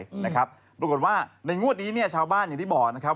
รวมกันว่าในงวดนี้ชาวบ้านอย่างที่บอกนะครับ